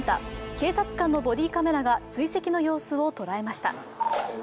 警察官のボディーカメラが追跡の様子を捉えました。